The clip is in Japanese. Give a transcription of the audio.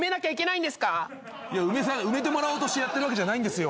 いや埋めてもらおうとしてやってるわけじゃないんですよ。